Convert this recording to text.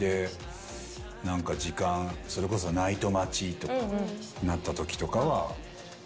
それこそナイト待ちとかなったときとかは。